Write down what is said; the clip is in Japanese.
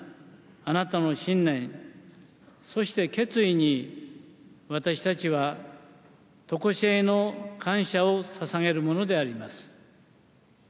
あなたの信念、そして決意に、私たちはとこしえの感謝をささげるものであります。